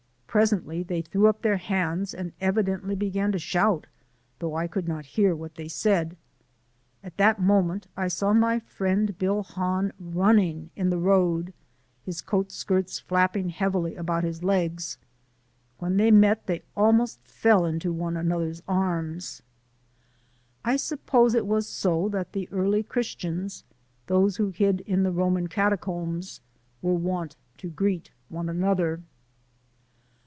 Presently they threw up their hands and evidently began to shout, though I could not hear what they said. At that moment I saw my friend Bill Hahn running in the road, his coat skirts flapping heavily about his legs. When they met they almost fell into another's arms. I suppose it was so that the early Christians, those who hid in the Roman catacombs, were wont to greet one another.